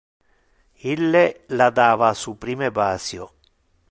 Ille la dava su prime basio.